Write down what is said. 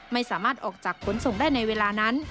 ไม่สามารถออกจากขนส่งได้ในเวลานั้น